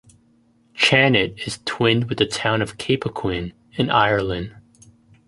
Chanat is twinned with the town of Cappoquin in Ireland.